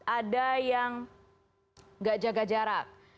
ada yang nggak jaga jarak